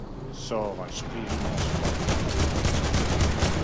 Sort un sourire immense aux enfants, ces aveux.